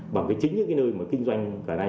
bằng cái chính những cái nơi mà kinh doanh cả đây